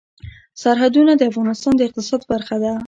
سرحدونه د افغانستان د اقتصاد برخه ده.